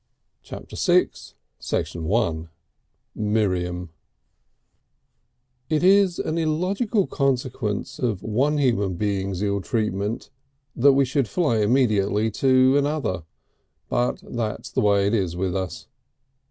Chapter the Sixth Miriam I It is an illogical consequence of one human being's ill treatment that we should fly immediately to another, but that is the way with us.